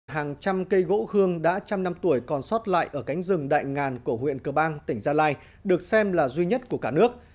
hàng trăm cây gỗ hương đã trăm năm tuổi còn sót lại ở cánh rừng đại ngàn của huyện cờ bang tỉnh gia lai được xem là duy nhất của cả nước